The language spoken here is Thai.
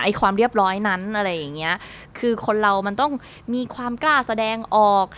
ความเรียบร้อยนั้นอะไรอย่างเงี้ยคือคนเรามันต้องมีความกล้าแสดงออก